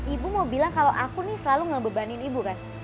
ibu mau bilang kalau aku nih selalu ngebebanin ibu kan